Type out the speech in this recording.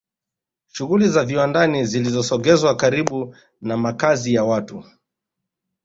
shughuli za viwandani zilisogezwa karibu na makazi ya watu